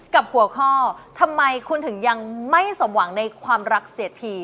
กับหัวข้อทำไมคุณถึงยังไม่สมหวังในความรักเสียที